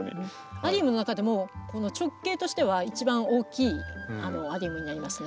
アリウムの中でも直径としては一番大きいアリウムになりますね。